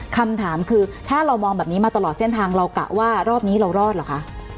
คำถามคือถ้าเรามองแบบนี้มาตลอดเส้นทางเรากะว่ารอบนี้เรารอดเหรอคะ